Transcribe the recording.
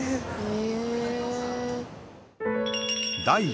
へえ。